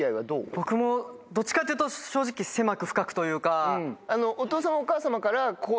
僕もどっちかというと正直狭く深くというか。